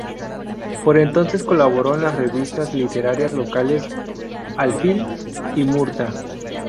Por entonces colaboró en las revistas literarias locales "Alfil" y "Murta".